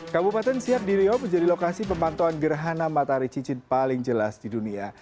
kabupaten siak di riau menjadi lokasi pemantauan gerhana matahari cincin paling jelas di dunia